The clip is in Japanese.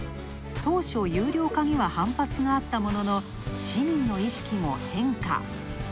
当初、有料化には反発があったものの市民の意識も変化。